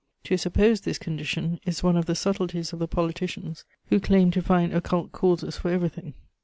To suppose this condition is one of the subtleties of the politicians who claim to find occult causes for everything.